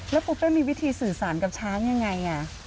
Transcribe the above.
แล้วปูเป้มีวิธีสื่อสารกับช้างยังไง